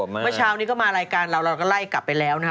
เมื่อเช้านี้ก็มารายการเราเราก็ไล่กลับไปแล้วนะครับ